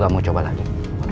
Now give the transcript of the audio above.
gak mau coba lagi